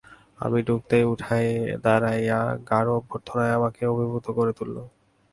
আমি ঢুকতেই উঠে দাঁড়িয়ে গাঢ় অভ্যর্থনায় আমাকে অভিভুত করে তুলল।